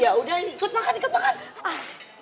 ya udah ini ikut makan ikut makan